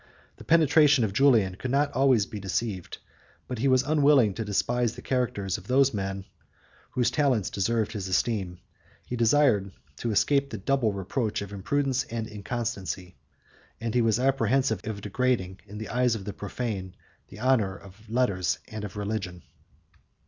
The penetration of Julian could not always be deceived: but he was unwilling to despise the characters of those men whose talents deserved his esteem: he desired to escape the double reproach of imprudence and inconstancy; and he was apprehensive of degrading, in the eyes of the profane, the honor of letters and of religion.